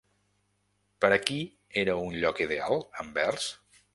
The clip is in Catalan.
Per a qui era un lloc ideal Anvers?